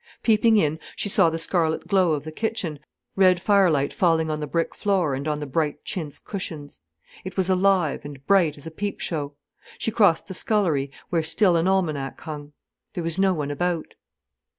Peeping in, she saw the scarlet glow of the kitchen, red firelight falling on the brick floor and on the bright chintz cushions. It was alive and bright as a peep show. She crossed the scullery, where still an almanac hung. There was no one about.